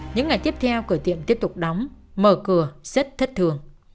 những ngày tiếp theo cửa tiệm tiếp tục đóng mở cửa rất thất thường